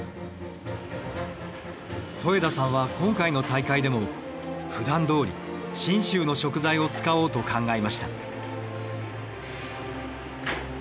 戸枝さんは今回の大会でもふだんどおり信州の食材を使おうと考えました。